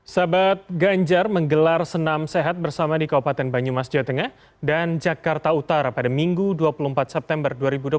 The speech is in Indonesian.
sahabat ganjar menggelar senam sehat bersama di kabupaten banyumas jawa tengah dan jakarta utara pada minggu dua puluh empat september dua ribu dua puluh tiga